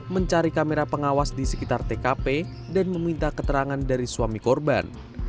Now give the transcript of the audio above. mencari kamera pengawas di sekitar tkp dan meminta keterangan dari suami korban